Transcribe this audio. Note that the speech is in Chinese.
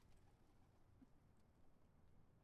龚氏曼盲蝽为盲蝽科曼盲蝽属下的一个种。